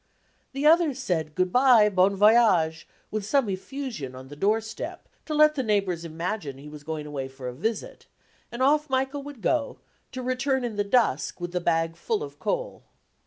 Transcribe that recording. The others said, "Good bye, bon voyage," with some effusion on the door step to let the neighbours imagine he was going away for a visit; and off Michael would go, to return in the dusk with the bag full of coal.